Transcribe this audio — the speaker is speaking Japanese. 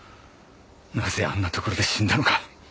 なぜあんなところで死んだのか